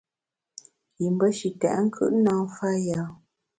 Yim be shi tèt nkùt na mfa yâ.